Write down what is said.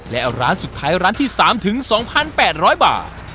และร้านสุดท้ายร้านที่สามถึงสองพันแปดร้อยบาท